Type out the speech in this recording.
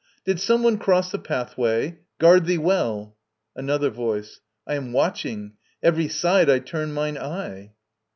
Did some one cross the pathway? Guard thee well. ANOTHER VOICE. I am watching. Every side I turn mine eye.